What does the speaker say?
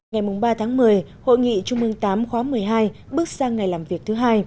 ngày ba tháng một mươi hội nghị trung mương tám khóa một mươi hai bước sang ngày làm việc thứ hai